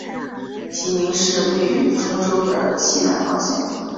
济宁市位于兖州的西南方向。